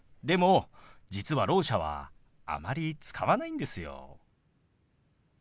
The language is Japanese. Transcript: でも実はろう者はあまり使わないんですよ。